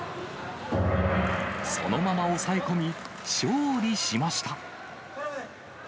そのまま押さえ込み、勝利しました。